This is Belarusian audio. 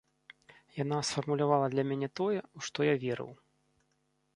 Яна сфармулявала для мяне тое, у што я верыў.